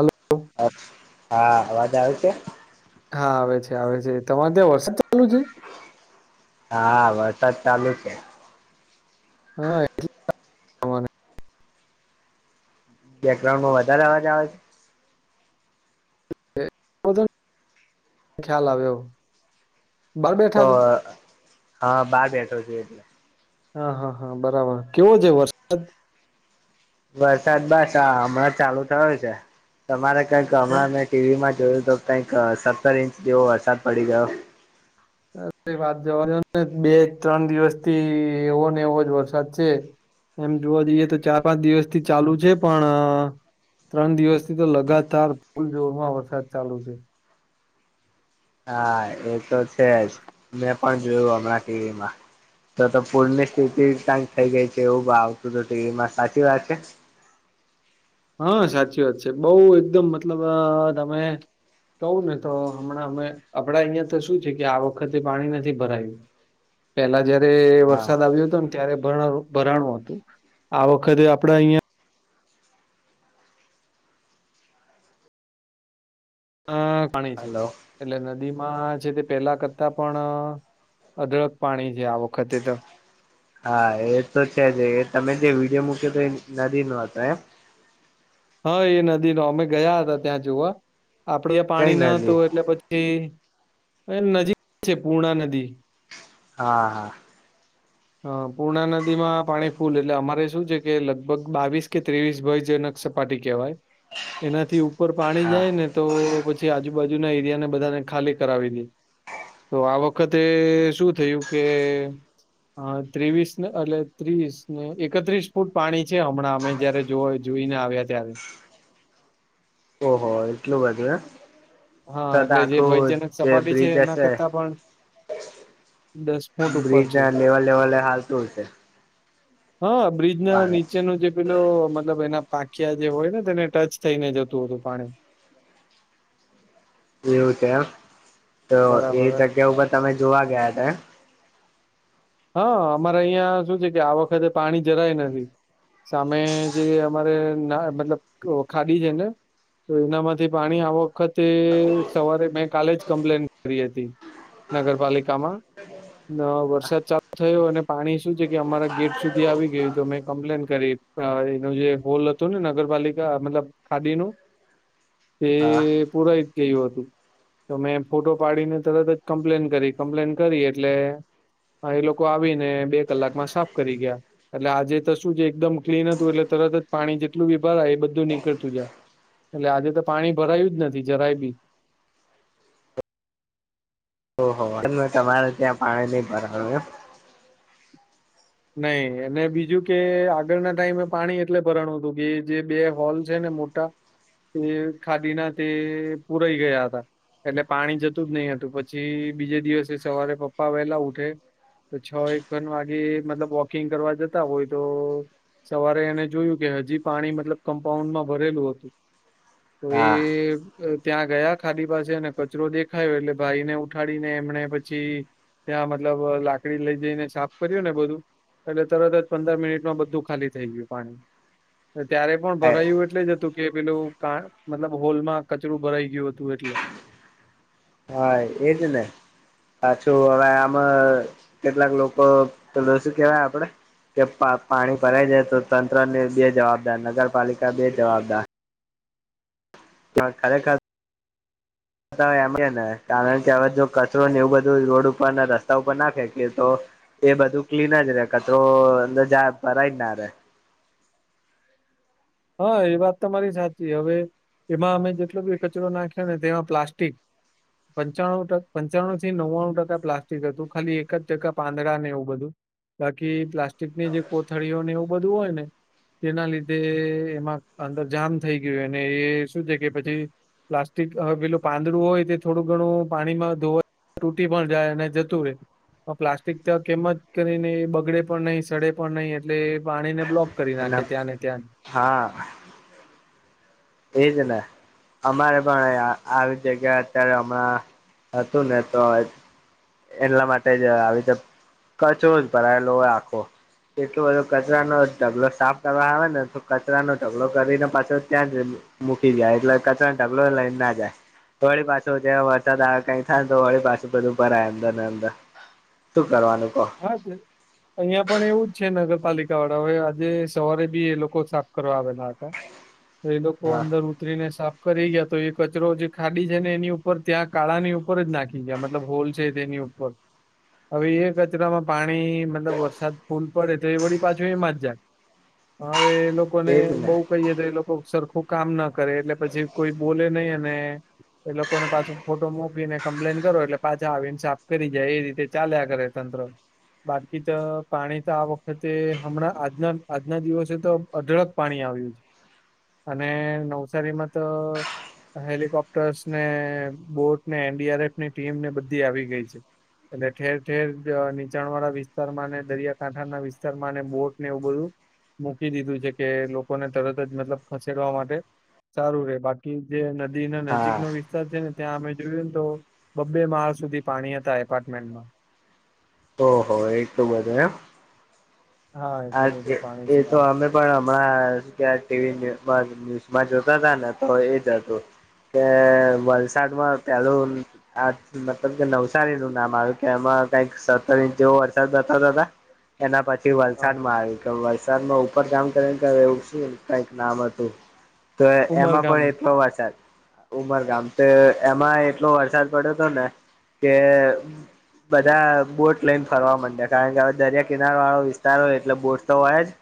Hello હા અવાજ આવે છે હા આવે છે આવે છે તમારે ત્યાં વરસાદ ચાલુ છે? હા વરસાદ ચાલુ છે [unintelligible] બેકગ્રાન્ડમાં વધારે અવાજ આવે છે. એ બધો ખ્યાલ આવ્યો બહાર બેઠા તો છો હા બાર બેઠો છો એટલે હા હા હા બરાબર કેવો જે વર વરસાદ બસ હા હમણાં ચાલુ થયો છે તમારે કઈક હા? હમણાં ન ટીવીમાં જોયું તો કંઈક સત્તર ઇંચ જેવો વરસાદ પડી ગયો વાત જવાનીને બે ત્રણ દિવસથી એવો ને એવો જ વરસાદ છે એમ જોવા જઈએ તો ચાર પાંચ દિવસ થી ચાલુ છે પણ ત્રણ દિવસથી તો લગાતાર ફૂલ જોરમાં વરસાદ ચાલુ છે હા એ તો છે જ, મેં પણ જોયું હમણાં ટીવીમાં. તો તો પૂરની સ્થિતિ કંક થઇ ગઈ છે એવું આવતું તું ટીવીમાં સાચી વાત છે હા સાચી વાત છે બહું એકદમ મતલબ તમે કહવું ને તો હમણાં અમે આપડા અહિયાં તો શું છે કે આ વખતે પાણી નથી ભરાયું પેલા જયારે હા વરસાદ આવ્યો હતો ને ત્યારે ભરા ભરાણું હતું આ વખતે આપડા અહિયાં હા પાણી છે. હલો એટલે નદીમાં છે તે પેલા કરતા પણ અદળક પાણી છે આ વખતે તો. હા એ તો છે એ તમે જે વિડીયો મૂક્યો હતો એ નદી નો હતો એમ હા એ નદી નો અમે ગયા હતા ત્યાં જોવા આપડે કઈ પાણી ન નદી હતું એટલે પછી એ [unintelligible] નજીક છે પૂર્ણા નદી હા હા હ પૂર્ણા નદીમાં પાણી ફૂલ એટલે અમારે શું છે કે લગભગ બાવીસ કે ત્રેવીસ ભયજનક પાટી કહેવાય એનાથી ઉપર પાણી હા જાય ને તો પછી આજુબાજુના એરિયા ને બધાને ખાલી કરાવી દી. તો આ વખતે શું થયું કે હા, ત્રેવીસ ને અટલે ત્રીસ ને એકત્રીસ ફૂટ પાણી છે હમણાં અમે જયારે જોવાએ જોઈને આવ્યા ત્યારે. ઓહો! એટલું બધું એમ હા તો તો એટલે જે આખું ભયજનક જે સપાટી છે બ્રિજ એના હશે. કરતાં પણ દસ ફૂટ ઉપર બ્રિજ છે ના લેવા લેવલે હાલતુ છે. હા, બ્રિજ ના નીચેનું જે પેલો મતલબ એના પાંખિયા જે હોય ને તેને ટચ થઈને જતું હતું પાણી. એવું છે એમ તો એ બરાબર જગ્યા ઉપર તમે જોવા ગયા તા એમ. હા! અમારે અહિયાં શું છે કે આ વખતે પાણી જરાય નથી. સામે જે અમારે ના મતલબ ઓ ખાડી છે ને. તો એનામાંથી પાણી આ વખતે સવારે મેં કાલે જ કમ્પ્લેન કરી હતી. નગરપાલિકામાં ન વરસાદ ચા થયો અને પાણી શું છે કે અમારા ગેટ સુધી આવી ગયું તો મેં કમ્પ્લેન કરી એનો જે હોલ હત હતું ને નગરપાલિકા મતલબ ખાદીનું એ એમ હા પુરાઈ ગયું હતું. તો મેં ફોટો પાડીને તરત જ કમ્પ્લેન કરી કમ્પ્લેન કરી એટલે હ, એ લોકો આવીને બે કલાકમાં સાફ કરી ગ્યા. એટલે આજે તો શું જે એકદમ ક્લીન હતું એટલે તરત જ પાણી જેટલું બી ભરાય એ બધું નીકળતું જા એટલે આજે તો પાણી ભરાયું જ નથી જરાય બી. ઓહો! [unintelligible] તમારે ત્યાં પાણી ની ભરાયુ એમ. નઈ અને બીજું કે આગળના ટાઈમે પાણી એટલે ભરાણું હતું કે જે બે હોલ છે ને મોટ ટા તે ખાદીના તે પૂરાઈ ગયા હતા. એટલે પાણી જતું જ નહી હતું. પછી બીજે દિવસે સવારે પપ્પા વહેલા ઉઠે. છ એકન વાગે મતલબ વોકિંગ કરવા જતા હોય તો સવારે એણે જોયું કે હજી પાણી મતલબ કમ્પાઉન્ડમાં ભરેલું હતું. તો એ હા અ ત્યાં ગયા ખાડી પાસે અને કચરો દેખાયો એટલે ભાઈને ઉઠાડીને એમને પછી ત્યાં મતલબ લાકડી લઈ જઈને સાફ કર્યું ને બધું. એટલે તરત જ પંદર મિનિટમાં બધું ખાલી થઈ ગ્યું પાણી. ત્યારે પણ હા ભરાયું એટલે જ હતું કે પેલું ક મતલબ હોલમાં કચરું ભરાઈ ગ્યું હતું એટલે. એજ ને. પાછું હવે આમ કેટલાક લોકો [unintelligible] કેવા આપડે. કે પા પાણી ભરાઈ જાય તો તન ત્રણ ને બે જવાબદાર નગરપાલિકા બે જવાબદાર. તેમાં, ખરેખર [unintelligible] એમ કેયને કારણ કે હવે જો કચરો ને એવું બધું રોડ ઉપરના રસ્તા ઉપર ના ફેંકે તો એ બધું ક્લીન જ રે કચરો અંદર જા ભરાય જ ના રે. હા, એ વાત તમારી સાચી હવે. એમાં અમે જેટલો બી કચરો નાખ્યો ને તેમાં પ્લાસ્ટિક. પંચાણું ટક પંચાણું થી નવ્વાણું ટકા પ્લાસ્ટિક હતું. ખાલી એક જ ટકા પાંદડા ને એવું બધું. બાકી પ્લાસ્ટિકની જે કોથળીઓ ને, એવું બધું હોય ને, તેના લીધે એમાં અંદર જામ થઈ ગ્યું, અને એ શું છે કે પછી? પ્લાસ્ટિક હવે પેલું પાંદડું હોય તે, થોડું ઘણું પાણીમાં ધોવા ટુટી પણ જાય, અને જતું રે. પ્લાસ્ટિક ત કેમ જ કરીને, બગડે પણ નહી, સડે પણ નહી, એટલે પાણીને બ્લોક. કરી અને નાખે, ત્યાં ને ત્યાં. હા. એ જ ને. અમારે પણ આ આવી જગ્યા અત્યારે, હમણાં હતું ને, તો એટલા માટે જ આવી રીતે કચરો જ ભરાયેલો હોય, આખો. એટલો બધો કચરાનો ઢગલો સાફ કરવા આવે ને, તો કચરાનો ઢગલો કરીને, પાછો ત્યાં જ મૂકી જાય, એટલે કચરા ઢગલો એલ ના જાય. હોળી પાછો જે વરસાદ આવે કઈ થાય, તો હોળી પાછું બધું ભરાય અંદર ને અંદર. શું કરવાનું કહો? હા, જ. અહિયાં પણ એવું જ છે. નગરપાલિકા વાળા હવે આજે સવારે બી એ લોકો સાફ કરવા આવેલા હતા. એ લોકો હા અંદર. કતરીને સાફ કરી ગયા તો, એ કચરો જે ખાડી છે ને, એની ઉપર ત્યાં કાળા ની ઉપર જ નાખી. મતલબ, હોલસેલ તેેની ઉપર અવે. રસ્તામાં પાણી, મતલબ વરસાદ ફૂલ પડે તો એ વળી પાછું એમાં જ જાય. હવે લોકો લોકોને એજ ને બહુ કહીએ, તો એ લોકો સરખું કામ ના કરે, એટલે પછી કોઈ બોલે નહી. એ લોકોને પાછું ફોટો મોકલીને કમ્પ્લેન કરો, એટલે પાછા આઇન્સાફ કરી જાય. એ રીતે ચાલ્યા કરે. તંત્ર. બાકી તો પાણી તો આ વખતે, હમણાં આજના આજના દિવસે તો અઢળક. પાણી આવ્યું છે, અને નવસારીમાં તો. હેલિકોપ્ટર્સ ને બોટ ને, એનડી. આર. એફ ની ટીમને બધી આવી ગઈ છે. અને ઠેર-ઠેર. નીચાણ વાળા વિસ્તારમાં અને દરિયાકાંઠાના વિસ્તારમાં અને બોટ ને એવું બધું. મૂકી દીધું છે, કે લોકોને તરત જ મતલબ, ખસેડવા માટે. સારું રે, બાકી જે નદી ના નજીક હા નો વિસ્તાર છે ને, ત્યાં અમે જોયું ને, તો બબ્બે માળ સુધી પાણી હતા, એપાર્ટમેન્ટમાં. ઓહ, એ તો બધું એમ. હા, આ એટલું બધું પાણી એ છે. તો અમે પણ હમણાંં ટીવી ન્યુઝમાં જોતા હતા ને, તો એ જ હતું. કે વલસાડમાં પેલું. આ, મતલબ કે નવસારી નું નામ આવ્યું કે એમાં કઈક સત્તર ઇંચ જેવો વરસાદ બતાતા હતા. એના પછી વ હા. વરસાડમાં આવ કે, વરસાડમાં ઉપર કામ કરીને, એવું શું કઈક નામ હતું. તો એમાં ઉમરગામ પણ એટલો વરસાદ. ઉમરગામ તો એમાં એટલો વરસાદ પડ્યો હતો ને કે. બધા બોટ લઇને ફરવા માંડ્યા, કારણ કે, હવે દરિયા કિનારે વાળો વિસ્ એટલે બોટ તો હોય જ,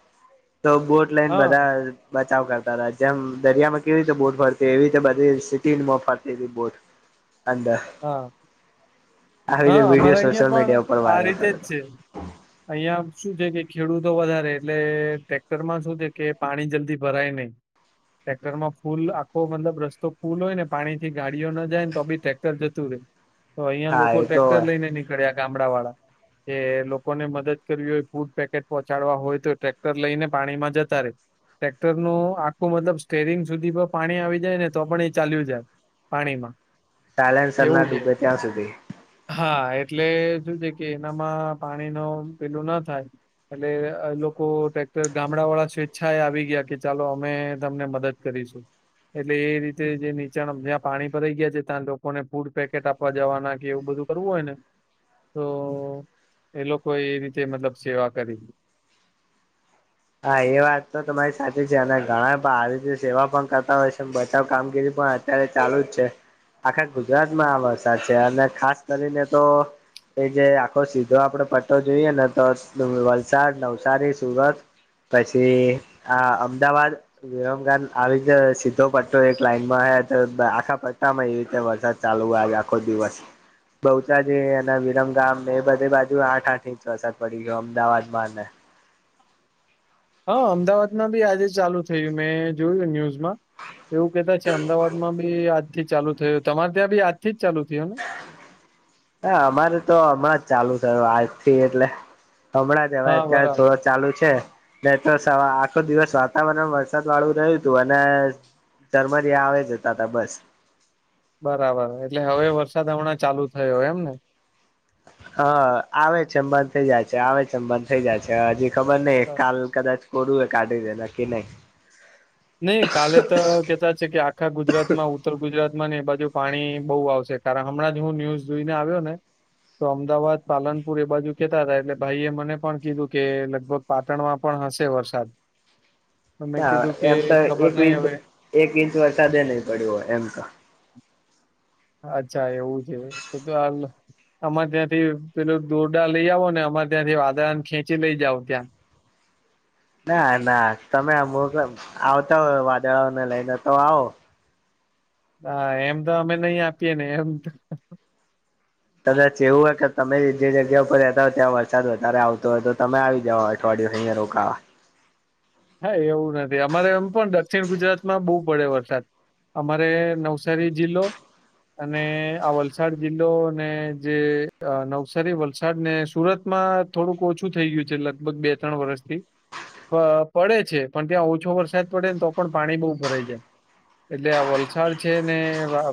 તો બોટ લઈને બધા. હા બચાવ કરતા, જેમ દરિયામાં કેવી રીતે બોટ ફરતી, એવી રીતે બધી સિટીમાં ફરતી બોટ. અંદર. હા. આવી હા, રીતે અમારે વિડીયો અહિયાં સોશિયલ પણ મીડિયા ઉપર આ વાયરલ રીતે જ કર્યો છે. હતો અહિયાં શું છે કે ખેડૂતો વધારે, એટલે ટેક્ટરમાં શું છે કે પાણી જલ્દી ભરાય ને. ટ્રેક્ટર માં ફૂલ આખો, મતલબ રસ્તો ફૂલ હોય ને પાણી થી ગાડીઓ ન જાય ને, તો બી ટ્રેક્ટર જતું રહે. તો અહિયાં હા લોકો એ તો ટ્રેક્ટર લઈને નીકળ્યા, ગામડા વાળા. કે લોકોને મદદ કરવી હોય ફૂડ પેકેટ પહોંચાડવા હોય તો ટ્રેક્ટર લઈને પાણીમાં જતા રે ટક્ટર નું આખું મતલબ સ્ટેરિંગ સુધી પાણી આવી જાય ને તો પણ એ ચાલ્યું જાય પાણીમાં ટાાઈલેન્ડ સરના એવું છે ડૂબે ત્યાં સુધી હા એટલે શ છે કે એનામાં પાણી ન પેલું ના થાય. એટલે એ લોકો ટ્રેક્ટર ગામડા વાળા સ્વેચ્છા એ આવી ગયા કે ચાલો અમે તમને મદદ કરીશું. એટલે એ રીતે જે નીચાણ જ્યાં પાણી ભરાઈ ગયા છે ત્યાં લોકોને ફૂડ પેકેટ આપવા જવાના એવું બધું કરવું હોય ને તો એ લોકો એ રીતે મતલબ સેવા કરી. હા એ વાત તો તમારી સાથેચી છે અને ઘણા આવી રીતે સેવા પણ કરતા હોય છે બચાવ કામગીરી પણ અત્યારે ચાલુ જ છે આખા ગુજરાતમાં આ વરસાદ છે અને ખાસ કરીને તો એ જે આખો સીધો આપડે પટ્ટો જોઈએ ને તો વલસાડ નવસારી સુરત. પછી આ અમદાવાદ વિમ આવીતે સીધો પટ્ટો એક લાઈનમાં હ આખા એવી રીતે વરસાદ ચાલુ હોય આજ આખો દિવસ. બહુચા જે એના વિરમ ગામ ને એ બધે બાજુ આઠ આઠ ઇંચ વરસાદ પડી ગયો અમદાવાદ માં. હા અમદાવાદમાં બી આજે ચાલુ છે. થયું મેં જોયું ન્યુઝમાં. એવું કતા છે અમદાવાદ માં બી આજ ચાલુ થય તમારે ત્યાં બી આજ થી જ ચાલુ થયયો ને હા અમારે તો હમણાં જ ચાલુ થ આજથી એટલે હમણાં જ હવે હા, અત્યારે બરાબર. થોડા. ચાલુ છે નહી તો આખો દિવસ વાતાવરણ વરસાદ વાળું રહ્યું હતું અને ચરમરિયા આવે જતા તા બસ. બરાબર એટલે હવે વરસાદ હમણાં ચાલુ થયો એમ ને. હા આવે છેમ બંધ થઇ જાય છે આવે છેમ બંધ થઇ જાય છે હજી ખબર નઈ બરાબર. કાલ. કદાચ કરુંય કાઢી દે ના કે નહી. નહી કાલે તો કેતા છે કે આખા ગુજરાત માં ઉત્તર ગુજરાત માં ને એ બાજુ પાણી બહુ આવશે. કારણ હમણાં જ હું ન્યુઝ જોઈને આવ્યો ને તો અમદાવાદ પાલનપુર એ બાજુ કેતા હતાા એટલે ભાઈ એ મને પણ કીધું કે લગભગ પાટણમાં પણ હશે વરસાદ મેં ના કીધું કે એમ તો ખબર એક નહીં ચ હવે એક ઇંચ વરસાદે નહી પડ્યો હોય એમ તો. અચ્છા એવું છે તો તો હાલ અમારે ત્યાંથી પેલો દોરડા લઈ આવો ને અમારે ત્યાંથી વાદાને ખેંચી લઈ જઓ ત્યાં. ના ના તમે અમુક આવતા હો વાદળાને લઈને તો આવો. હા એમ તો અમે નહી આપીએ ને એમ કદાચ એવું હોય કે તમે જે જગ્યા ઉપર રહેતા હો ત્યાં વરસાદ વધારે આવતો હોય તો તમે આવી જવાય. થોડી અહીં રોકા હા એવું નથી અમારે એમ પણ દક્ષિણ ગુજરાત માં બહુ પડે વરસાદ. અમારે નવસારી જિલ્લો. અને આ વલસાડ જિલ્લો ને જે નવસારી વલસાડ ને સુરતમાં. થોડુંક ઓછું થઈ ગયું છે લગભગ બે ત્રણ વર્ષથી પડે છે પણ ત્યાં ઓછો વરસાદ પડે ને તો પણ પાણી બહુ ભરાઈ જાય. એટલે આ વલસાડ છે ને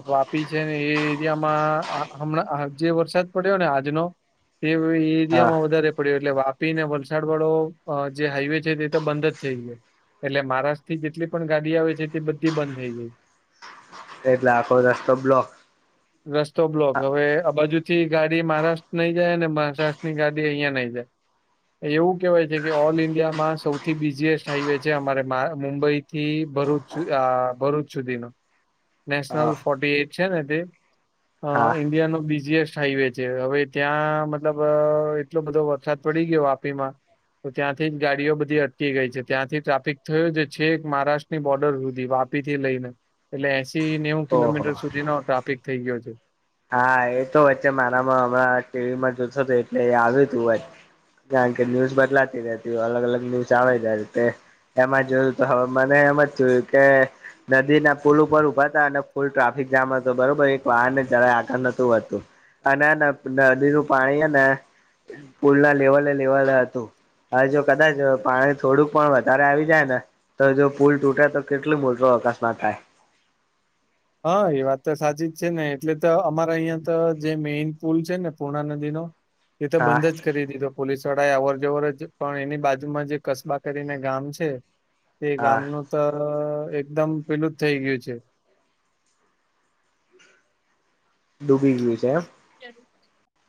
વાપી છે ને એ એરિયામાં. હમણાં જે વરસાદ પડ્યો ને આજનો તે હા એરિયામાં વધારે પડ્યો એટલે વાપીને વલસાડ વાળો જે હાઈવે છે તે તો બંધ જ. થ ગ એટલે મહારાષ્ટ્ર થી જેટલી પણ ગાડી આવે છે તે બધી બંધ થઈ ગઈ. એટલે આખો રસ્તો બ્લોક. રસ્તો બ્લોક હવે આ બાજુ થી ગાડી મહારાષ્ટ્ર નઈ જાય ને મહારાષ્ટ્રની ગાડી અહિયાયા નઈ જાય. એવું કહેવાય છે કે ઓલ ઈન્ડિયામાં સૌથી બીજી જીએસ્ટ હાઈવે છે અમારે મુંબઈ થી ભરૂચ ભરૂચ સુધીનો. નેશનલ હા ફોર્ટી એઈટ છે ને તે અ હા ઇન્ડિયા નો બિઝિએસ્ટ હાઈવે જે હવે ત્યાં મતલબ એટલો બધો વરસાદ પડી ગયો વાપીમાં. તો ત્યાંથી જ ગાડીઓ બધી અટકી ગઈ છે ત્યાંથી ટ્રાફિક થયો જે છે એક મહારાષ્ટ્રની બોર્ડર સુધી વાપી થી લઈને. એટલે એસી નેવું ઓહો કિલોમીટર સુધીનોો ટ્રાફિક થઈ ગયો છે. હા એ તો વચ્ચે મારામાં હમણાં ટીવીમાં જોતો તો એટલે આવ્યું તું કારણ કે ન્યૂઝ બદલાતી રહેતી અલગ અલગ ન્યૂઝ આવે જાય એમાં જોયું તો હવે મને એમ જ જોયું કે. નદી ના પુલ ઉપર ઉભા હતા અને ફૂલ ટ્રાફિક જામ હતો બરોબર એક વાહન ્યારે આકારળ નતું હોતું અને નદી નું પાણી હ ને પુલ ના લેવલે લેવા હતું. હવે જો કદાચ પાણી થોડુંક પણ વધારે આવી જાય ને તો જો પુલ તૂટે તો કેટલું મોટો અકસ્માત થાય હા એ વાત તો સાચી જ છે ને એટલે તો અમારે અહિયાં તો જે મેઈન પુલ છે ને પૂર્ણા નદીનો એ તો હા બંધ જ કરી દીધો પોલીસવાળા એ અવર જવર જ પણ એની બાજુમાં જે કસબા કરીને ગામ છે. તે હા ગામનું તો એકદમ પીલું જ થઈ ગયું છે ડૂબી ગ્યુ છે એમ ચાલ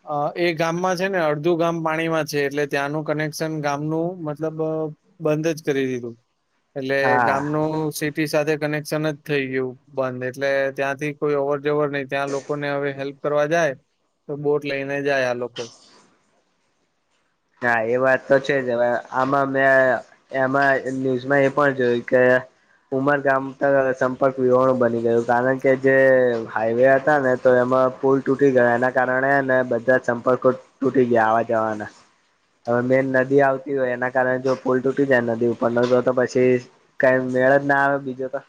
અ એ ગામમાં છે ને અડધું ગામ પાણીમાં છે એટલે ત્યાંનું કનેક્શન ગામનું મતલબ બંધ જ કરી દીધું એટલે હા ગામનું સી ટી સાથે કનેક્શન જ થઈ ગયું બંધ એટલે ત્યાંથી કોઈ અવર જવર નહી ત્યાં લોકોને હવે હેલ્પ કરવા જાય તો બોટ લઈને જાય આ લોકો હા એ વાત તો છે જ હવે આમાં મે એમાં ન્યૂઝમાં એ પણ જોયું કે ઉમરગામ તો સંપર્ક વિહોણું બની ગયું કારણ કે જે હાઈવે હતા ને તો એમાં પુલ તૂટી ગયો એના કારણે બધા સંપર્કો તૂટી ગયા આવા જવાના હવે મેન નદી આવતી હોય એના કારણે જો પુલ તૂટી જાય નદી ઉપરનો જો તો પછી કાઈ મેળ જ ના આવે બીજો તો